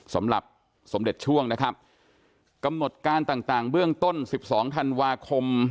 สมเด็จช่วงนะครับกำหนดการต่างต่างเบื้องต้นสิบสองธันวาคม